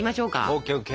ＯＫＯＫ。